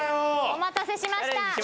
お待たせしました。